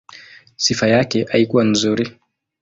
Sifa yake haikuwa nzuri.